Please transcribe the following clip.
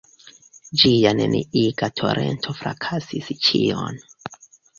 Ĝia neniiga torento frakasis ĉion.